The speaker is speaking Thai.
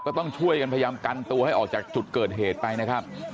ต้องช่วยกันพยายามกันตัวให้ออกจากจุดเกิดเหตุไปนะครับ